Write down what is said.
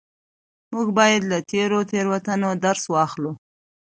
موږ بايد له تېرو تېروتنو درس واخلو.